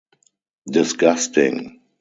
Disgusting!